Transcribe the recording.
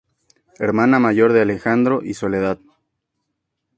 Hermana mayor de Alejandro y Soledad.